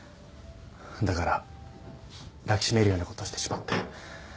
だから抱き締めるようなことをしてしまって。